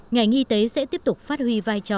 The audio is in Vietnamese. ngành y tế sẽ tiếp tục phát huy vai trò